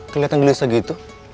kelihatan gelisah gitu